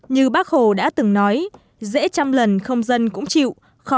như bác hồ đã từng nói dễ trăm lần không dân cũng chịu khó